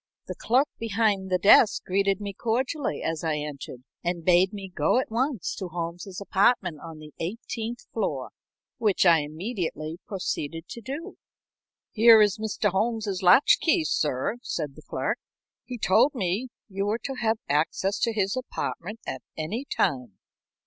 The clerk behind the desk greeted my cordially as I entered, and bade me go at once to Holmes's apartment on the eighteenth floor, which I immediately proceeded to do. "Here is Mr. Holmes's latch key, sir," said the clerk. "He told me you were to have access to his apartment at any time."